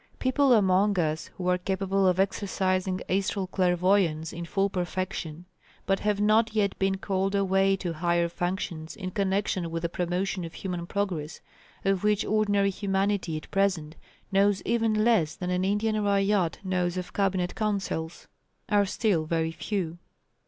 People among us who are capable of exercising astral clairvoyance in full perfection but have not yet been called away to higher functions in connexion with the promotion of human progress, of which ordinary humanity at present knows even less than an Indian ryot knows of cabinet councils are still very few.